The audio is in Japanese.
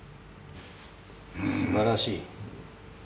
すばらしい。